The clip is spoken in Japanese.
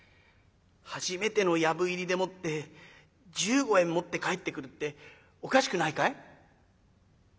初めての藪入りでもって１５円持って帰ってくるっておかしくないかい？」。